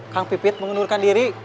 kang pipit mengundurkan diri